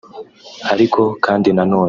Ariko kandi nanone